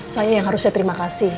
saya yang harusnya terima kasih